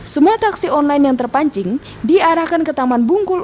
semua taksi online yang terpancing diarahkan ke taman bungkul